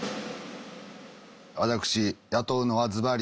私雇うのはずばりロギニ。